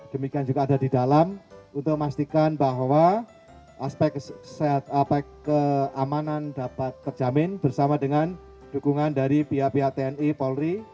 demikian juga ada di dalam untuk memastikan bahwa aspek keamanan dapat terjamin bersama dengan dukungan dari pihak pihak tni polri